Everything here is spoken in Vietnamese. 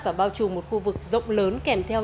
và bao trù một khu vực rộng lớn kèm theo